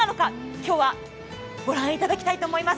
今日は御覧いただきたいと思います。